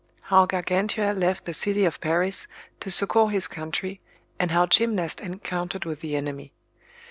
How Gargantua left the city of Paris to succour his country, and how Gymnast encountered with the enemy.